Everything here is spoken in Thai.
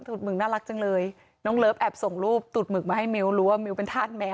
ตูดหึงน่ารักจังเลยน้องเลิฟแอบส่งรูปตูดหมึกมาให้มิ้วรู้ว่ามิวเป็นธาตุแมว